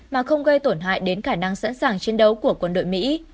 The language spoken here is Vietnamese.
mà không gây tổn hại đến khả năng sẵn sàng chiến đấu của quân đội mỹ